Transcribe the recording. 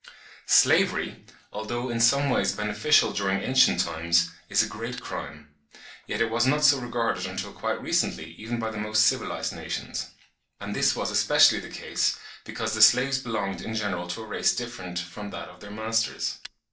Slavery, although in some ways beneficial during ancient times (34. See Mr. Bagehot, 'Physics and Politics,' 1872, p. 72.), is a great crime; yet it was not so regarded until quite recently, even by the most civilised nations. And this was especially the case, because the slaves belonged in general to a race different from that of their masters.